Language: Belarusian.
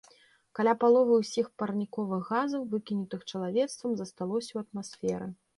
Каля паловы ўсіх парніковых газаў, выкінутых чалавецтвам, засталося ў атмасферы.